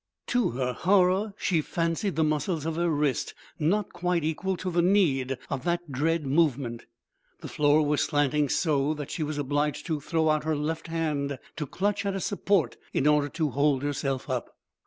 To her horror she fancied the muscles of her wrist not quite equal to the need of that dread movement. The floor was slanting so that she was obliged to throw out her left hand to clutch at a support in order to hold herself up.